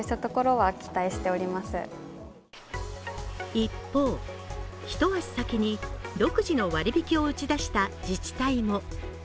一方、一足先に独自の割り引きを打ち出した自治体も。